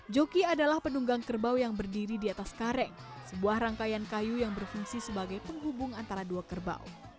joki adalah penunggang kerbau yang berdiri di atas kareng sebuah rangkaian kayu yang berfungsi sebagai penghubung antara dua kerbau